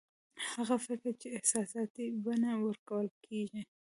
هغه فکر چې احساساتي بڼه ورکول کېږي